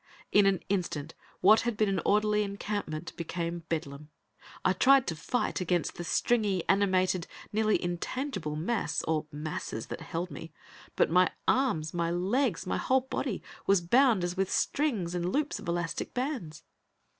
In an instant, what had been an orderly encampment became a bedlam. I tried to fight against the stringy, animated, nearly intangible mass, or masses, that held me, but my arms, my legs, my whole body, was bound as with strings and loops of elastic bands.